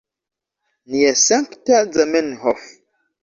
Nia sankta Zamenhof